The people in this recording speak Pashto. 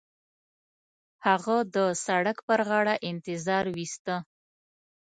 هغه د سړک پر غاړه انتظار وېسته.